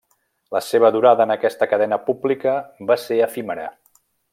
La seva durada en aquesta cadena pública va ser efímera.